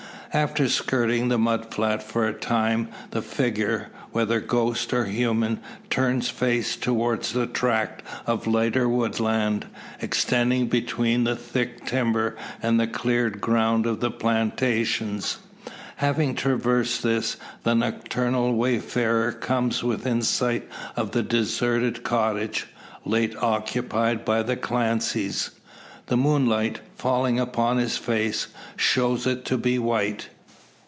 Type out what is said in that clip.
After skirting the mud flat for a time, the figure whether ghost or human turns face toward the tract of lighter woodland, extending between the thick timber and cleared ground of the plantations. Having traversed this, the nocturnal wayfarer comes within sight of the deserted cottage, late occupied by the Clancys. The moonlight, falling upon his face, shows it to be white.